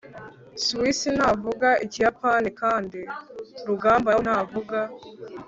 susie ntavuga ikiyapani, kandi rugamba na we ntavuga